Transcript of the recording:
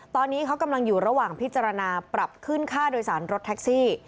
ตอนนี้เขากำลังอยู่ระหว่างพิจารณาปรับขึ้นค่าโดยสารรถแท็กซี่